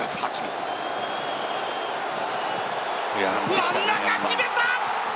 真ん中、決めた。